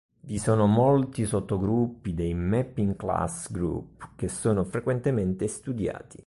Vi sono molti sottogruppi dei mapping class group che sono frequentemente studiati.